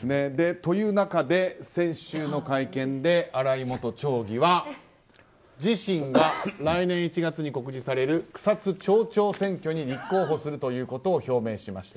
という中で、先週の会見で新井元町議は自身が来年１月に告示される草津町長選挙に立候補するということを表明しました。